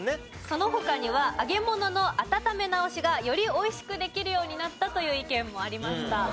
その他には揚げ物の温め直しがより美味しくできるようになったという意見もありました。